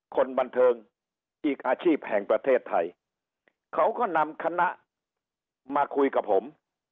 คนบันเทิงอีกอาชีพแห่งประเทศไทยเขาก็นำคณะมาคุยกับผม